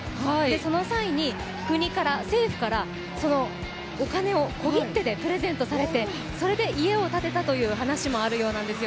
その際に、国から政府からそのお金を小切手でプレゼントされてそれで家を建てたという話もあるようなんですよ。